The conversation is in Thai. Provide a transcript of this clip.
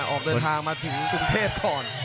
ออกเดินทางมาถึงกรุงเทพก่อน